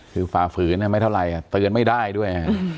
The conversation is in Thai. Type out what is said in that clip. คือฝ่าฝืนไม่เท่าไหร่เตือนไม่ได้ด้วย